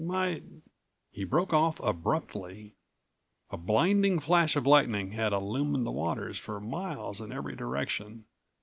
Might—" He broke off abruptly. A blinding flash of lightning had illumined the waters for miles in every direction.